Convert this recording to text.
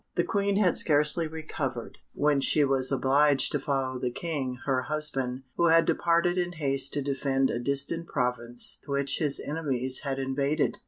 The Queen had scarcely recovered, when she was obliged to follow the King, her husband, who had departed in haste to defend a distant province which his enemies had invaded.